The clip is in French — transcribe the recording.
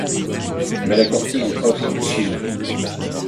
Mais la Courtille offre Suzon ;